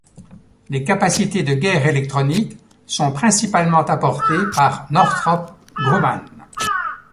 Les capacités de guerre électronique sont principalement apportées par Northrop Grumman.